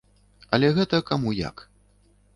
Але гэта каму як.